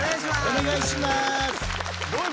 お願いします！